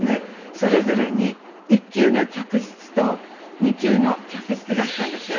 それぞれに１級の客室と２級の客室があったんですよ。